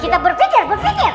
kita berpikir berpikir